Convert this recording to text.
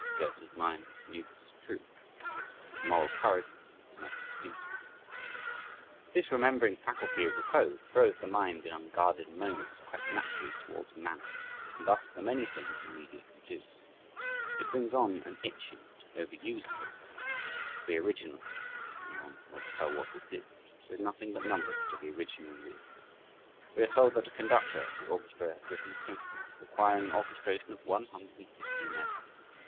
Goethe's mind knew this was true, but his moral courage was not instinctive. This remembering faculty of "repose," throws the mind in unguarded moments quite naturally towards "manner" and thus to the many things the media can do. It brings on an itching to over use them to be original (if anyone will tell what that is) with nothing but numbers to be original with. We are told that a conductor (of the orchestra) has written a symphony requiring an orchestra of one hundred and fifty men.